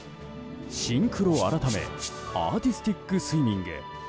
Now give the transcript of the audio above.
シンクロ改めアーティスティックスイミング。